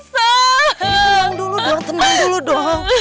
tengang dulu dong tenang dulu dong